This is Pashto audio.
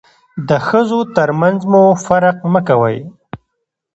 د ښځو تر منځ مو فرق مه کوئ.